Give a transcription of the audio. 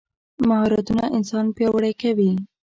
مهارتونه انسان پیاوړی کوي.